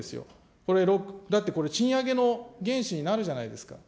これ、だってこれ、賃上げの原資になるじゃないですか。